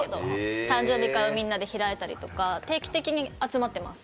誕生日会をみんなで開いたりとか、定期的に集まってます。